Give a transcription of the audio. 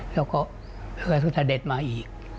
แล้วก็สมเนคมาอีก